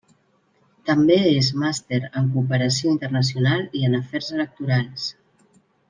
També és màster en cooperació internacional i en afers electorals.